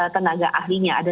tenaga ahlinya ada